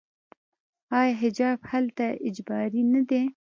آیا حجاب هلته اجباري نه دی؟